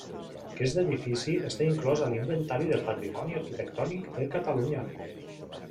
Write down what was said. Aquest edifici està inclòs a l'Inventari del Patrimoni Arquitectònic de Catalunya.